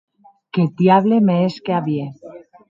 Qu’eth diable me hesque a vier!